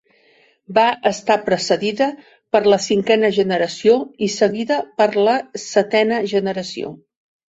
Va estar precedida per la Cinquena generació i seguida per la Setena generació.